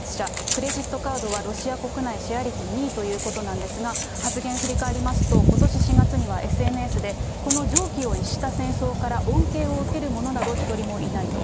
クレジットカードはロシア国内シェア率２位ということなんですが、発言振り返りますと、ことし４月にはＳＮＳでこの常軌を逸した戦争から恩恵を受ける者など１人もいないと。